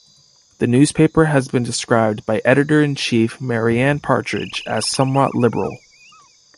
The newspaper has been described by editor-in-chief Marianne Partridge as somewhat liberal.